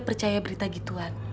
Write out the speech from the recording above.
percaya berita gituan ya